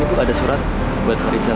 ini bu ada surat buat pak rizal